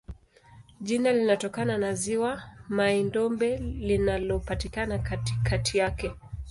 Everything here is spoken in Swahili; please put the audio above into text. Jina linatokana na ziwa Mai-Ndombe linalopatikana katikati yake.